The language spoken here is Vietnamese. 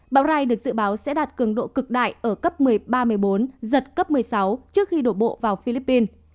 bão rai được dự báo sẽ đạt cường độ cực đại ở cấp một mươi ba một mươi bốn giật cấp một mươi sáu trước khi đổ bộ vào philippines